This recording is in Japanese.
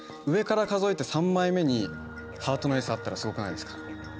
上から数えて３枚目にハートのエースあったらすごくないですか？